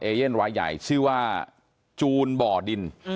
เย่นวายใหญ่ชื่อว่าจูนบ่อดิน